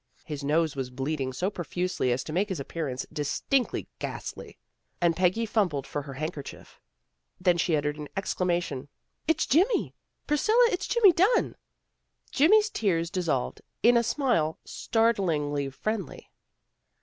His nose was bleeding so profusely as to make his appear ance distinctly ghastly, and Peggy fumbled for her handkerchief. Then she uttered an excla mation. " It's Jimmy! Priscilla, it is Jimmy Dunn! " Jimmy's tears dissolved in a smile startlingly friendly.